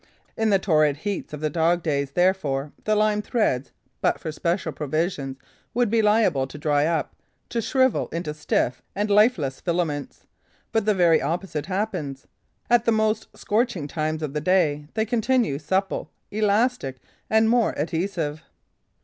In the torrid heats of the dog days, therefore, the lime threads, but for special provisions, would be liable to dry up, to shrivel into stiff and lifeless filaments. But the very opposite happens. At the most scorching times of the day, they continue supple, elastic and more and more adhesive.